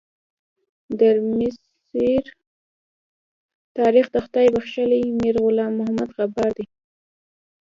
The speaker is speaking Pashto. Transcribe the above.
درمسیر تاریخ د خدای بخښلي میر غلام محمد غبار دی.